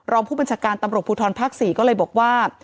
รองผู้บัญชาการตำรวจภูทรภาค๔ก็เลยบอกว่า